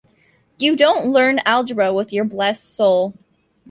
You don’t learn algebra with your blessed soul.